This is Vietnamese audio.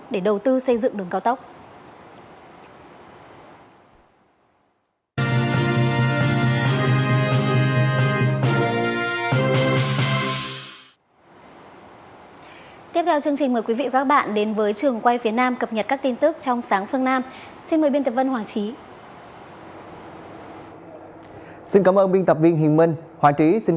để đầu tư xây dựng đường cao tốc